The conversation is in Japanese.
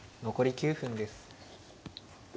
残り９分です。